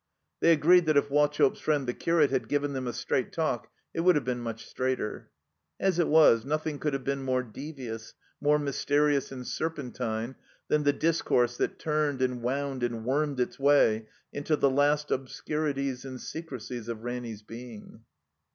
They agreed that if Wauchope's friend the curate had given them a straight talk it would have been much straighter. As it was, nothing could have been more devious, more m}rsterious and serpentine than the discourse that turned and wound and wormed its way into the last obscurities and se crecies of Ranny's being.